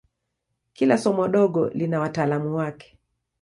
Kila somo dogo lina wataalamu wake.